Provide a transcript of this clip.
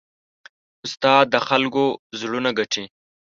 استاد د خلکو زړونه ګټي.